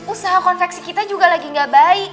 usaha konveksi kita juga lagi gak baik